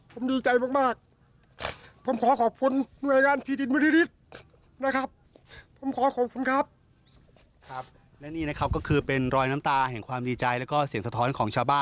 ผมดีใจมากผมขอขอบคุณหน่วยงานพี่บินบริษฐ์นะครับผมขอขอบคุณครับ